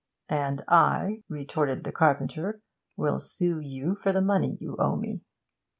'And I,' retorted the carpenter, 'will sue you for the money you owe me!'